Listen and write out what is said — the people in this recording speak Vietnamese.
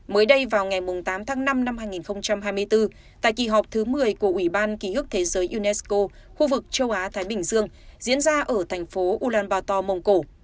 mới đây vào ngày tám tháng năm năm hai nghìn hai mươi bốn tại kỳ họp thứ một mươi của ủy ban ký ức thế giới unesco khu vực châu á thái bình dương diễn ra ở thành phố ulaanbaator mông cổ